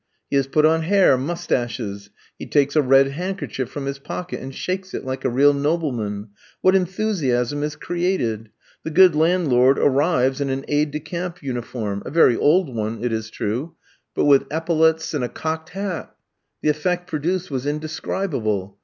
He has put on hair, moustaches. He takes a red handkerchief from his pocket and shakes it, like a real nobleman. What enthusiasm is created! The "good landlord" arrives in an aide de camp uniform, a very old one, it is true, but with epaulettes, and a cocked hat. The effect produced was indescribable.